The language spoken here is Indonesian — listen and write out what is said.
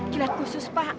kilat khusus pak